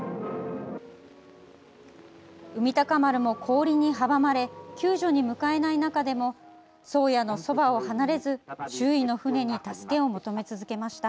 「海鷹丸」も氷に阻まれ救助に向かえない中でも「宗谷」のそばを離れず周囲の船に助けを求め続けました。